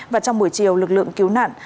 và trong buổi chiều lực lượng cứu nạn